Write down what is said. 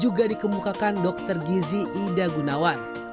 juga dikemukakan dr gizi ida gunawan